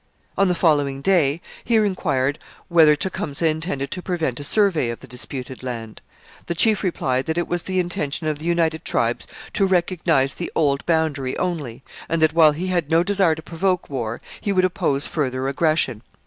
On the following day he inquired whether Tecumseh intended to prevent a survey of the disputed land. The chief replied that it was the intention of the united tribes to recognize the old boundary only, and that, while he had no desire to provoke war, he would oppose further aggression.